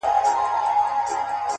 • يو څو زلميو ورته هېښ کتله,